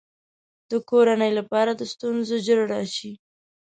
د کورنۍ لپاره د ستونزو جرړه شي.